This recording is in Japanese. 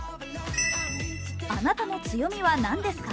あなたの強みはなんですか？